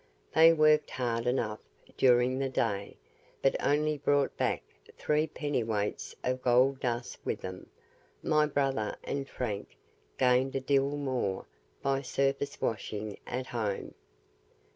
They worked hard enough during the day, but only brought back three pennyweights of gold dust with them. My brother and Frank gained a deal more by surface washing at home.